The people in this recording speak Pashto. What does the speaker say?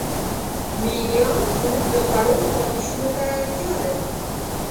مېږیان زموږ د خوړو پاتېشونو ته اړتیا لري.